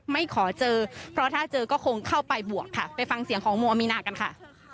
ไม่ขอเจอเพราะถ้าเจอก็คงเข้าไปบวกค่ะไปฟังเสียงของโมอามีนากันค่ะ